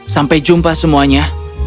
sampai jumpa semuanya